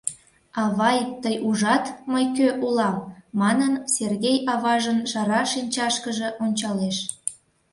— Авай, тый ужат, мый кӧ улам? — манын, Сергей аважын шара шинчашкыже ончалеш.